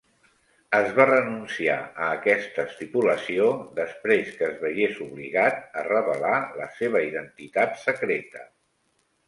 Es va renunciar a aquesta estipulació després que es veiés obligat a revelar la seva identitat secreta.